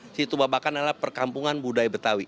situ babakan adalah perkampungan budaya betawi